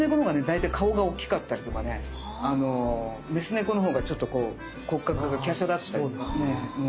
大体顔が大きかったりとかねメス猫のほうがちょっとこう骨格が華奢だったりとか。